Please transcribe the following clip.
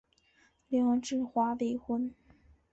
梁质华未婚。